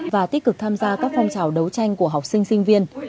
và tích cực tham gia các phong trào đấu tranh của học sinh sinh viên